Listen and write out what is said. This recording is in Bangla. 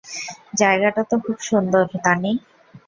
জায়গাটা তো খুব সুন্দর, তানি!